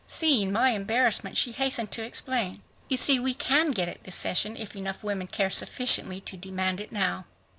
Seeing my embarrassment, she hastened to explain. "You see, we can get it this session if enough women care sufficiently to demand it now."